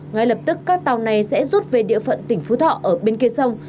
ngay lập tức các tàu này sẽ rút về địa phận tỉnh phú thọ ở bên kia sông